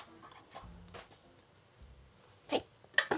はい。